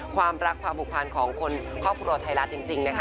ความรักความผูกพันของคนครอบครัวไทยรัฐจริงนะคะ